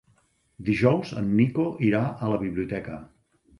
Dijous en Nico irà a la biblioteca.